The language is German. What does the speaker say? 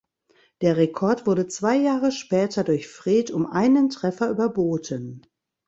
Der Rekord wurde zwei Jahre später durch Fred um einen Treffer überboten.